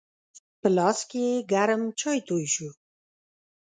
په لاس یې ګرم چای توی شو.